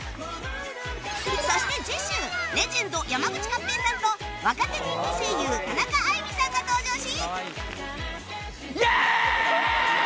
そして次週レジェンド山口勝平さんと若手人気声優田中あいみさんが登場し